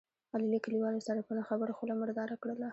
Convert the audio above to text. علي له کلیوالو سره په نه خبره خوله مرداره کړله.